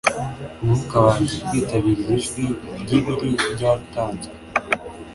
Umwuka wanjye kwitabira iri jwi ryibiri ryatanzwe